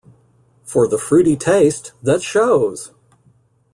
For the fruity taste that shows!